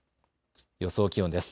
予想気温です。